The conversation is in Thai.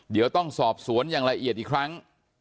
เดี๋ยวต้องสอบสวนอย่างละเอียดอีกครั้ง